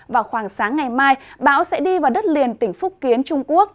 vào khoảng sáng ngày mai bão sẽ đi vào đất liền tỉnh phúc kiến trung quốc